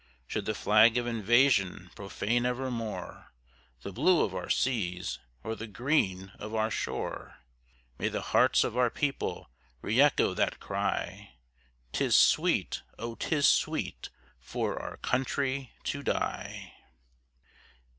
Should the flag of invasion profane evermore The blue of our seas or the green of our shore, May the hearts of our people reëcho that cry, "'Tis sweet, oh, 'tis sweet for our country to die!"